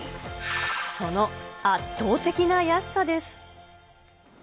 その圧倒的な安さです。